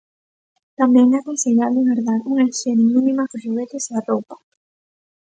Tamén é aconsellable gardar unha hixiene mínima cos xoguetes e a roupa.